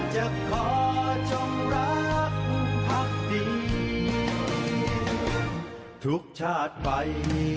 จะขอจงรักพักดีทุกชาติไป